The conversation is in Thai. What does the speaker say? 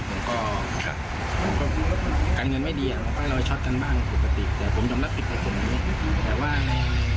การเงินไม่ดีทำได้รอยช็อตกันบ้างปกติแต่ผมยอมรับคิดแหละผมดิ